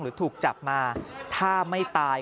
ถูกจับมาถ้าไม่ตาย